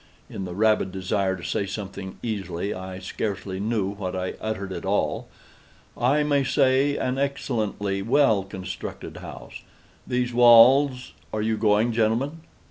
(In the rabid desire to say something easily, I scarcely knew what I uttered at all.)—"I may say an excellently well constructed house. These walls—are you going, gentlemen?